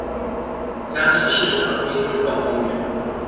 嘉義市河濱運動公園